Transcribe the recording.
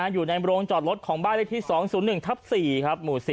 อยู่ในโรงจอดรถของบ้านเลขที่๒๐๑ทับ๔ครับหมู่๔